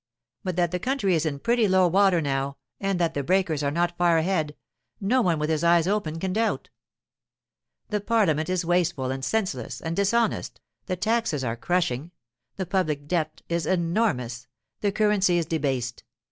But that the country is in pretty low water now, and that the breakers are not far ahead, no one with his eyes open can doubt. The parliament is wasteful and senseless and dishonest, the taxes are crushing, the public debt is enormous, the currency is debased.